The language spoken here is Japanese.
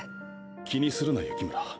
気にするな幸村。